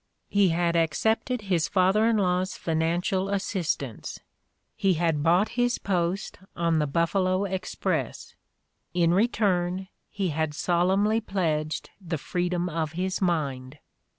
He had ac cepted his father in law's financial assistance; he had Ii8 The Ordeal of Mark Twain bought his post on the BufEalo Express; in return, he had solemnly pledged the freedom of his mind.